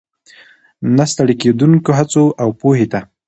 ، نه ستړې کېدونکو هڅو، او پوهې ته